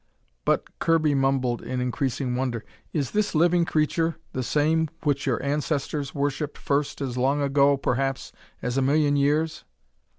"But," Kirby mumbled in increasing wonder, "is this living creature the same which your ancestors worshipped first as long ago, perhaps, as a million years?"